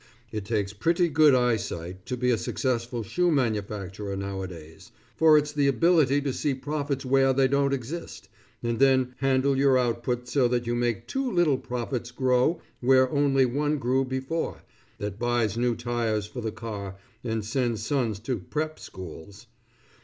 It takes pretty good eyesight to be a successful shoe manufacturer nowadays, for it's the ability to see profits where they don't exist, and then handle your output so that you make two little profits grow where only one grew before, that buys new tires for the car, and sends sons to "prep" schools.